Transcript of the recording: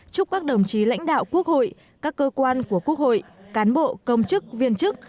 chúc các đồng chí lãnh đạo quốc hội các cơ quan của quốc hội cán bộ công chức viên chức